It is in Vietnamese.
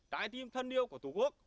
trái tim thân yêu của tổ quốc